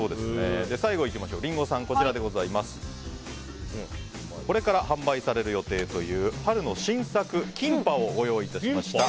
最後、リンゴさんにはこちらこれから販売される予定という春の新作キンパをご用意いたしました。